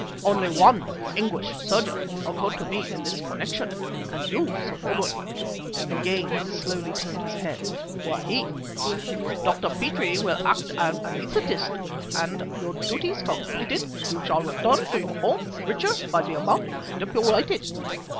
Only one English surgeon occurred to me in this connection, and you, Sir Baldwin" again he slowly turned his head "were he. Dr. Petrie will act as anaesthetist, and, your duties completed, you shall return to your home richer by the amount stipulated.